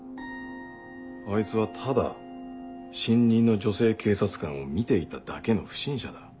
あいつはただ新任の女性警察官を見ていただけの不審者だ。